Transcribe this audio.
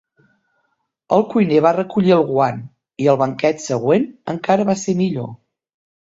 El cuiner va recollir el guant, i el banquet següent encara va ser millor.